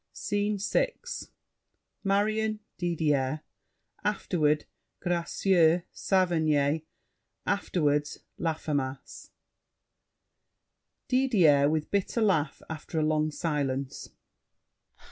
SCENE VI Marion, Didier; afterward Gracieux, Saverny, afterward Laffemas DIDIER (with bitter laugh, after a long silence).